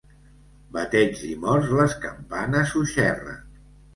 Bateigs i morts, les campanes ho xerren.